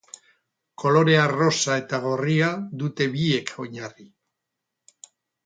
Kolore arrosa eta gorria dute biek oinarri.